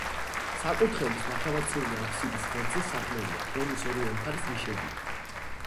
საკურთხევლის ნახევარწრიული აფსიდის ღერძზე სარკმელია, რომლის ორივე მხარეს ნიშებია.